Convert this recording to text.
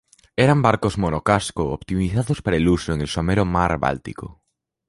Eran barcos monocasco optimizados para el uso en el somero Mar Báltico.